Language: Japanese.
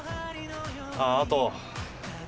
あっあと。